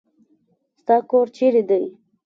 ستا کور چيري دی.